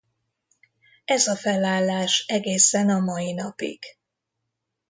Ez a felállás egészen a mai napig.